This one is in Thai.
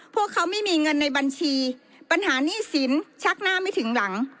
พวกเขาไม่มีเงินในบัญชีปัญหาหนี้สินชักหน้าไม่ถึงหลัง